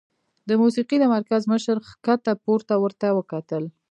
د موسيقۍ د مرکز مشر ښکته پورته ورته وکتل